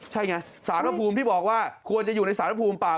ใช่ไงสารพระภูมิที่บอกว่าควรจะอยู่ในสารภูมิเปล่า